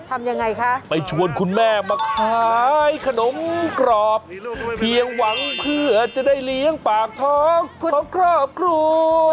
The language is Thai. ทำยังไงคะไปชวนคุณแม่มาขายขนมกรอบเพียงหวังเพื่อจะได้เลี้ยงปากท้องของครอบครัว